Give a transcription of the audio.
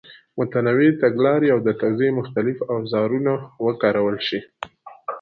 متنوع تګلارې او د توضیح مختلف اوزارونه وکارول شي.